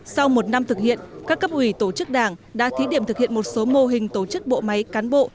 sau một năm thực hiện các cấp ủy tổ chức đảng đã thí điểm thực hiện một số mô hình tổ chức bộ máy cán bộ